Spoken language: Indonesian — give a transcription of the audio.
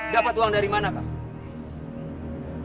dapat uang dari mana kang